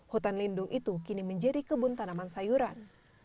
hutan lindung itu kini menjadi kebun tanaman sayuran